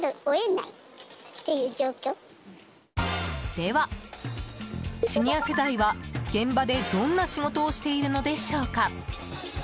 では、シニア世代は現場でどんな仕事をしているのでしょうか？